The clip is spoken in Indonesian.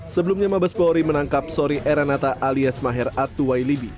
sebelumnya mabes bori menangkap sori eranata alias maher atuwai libi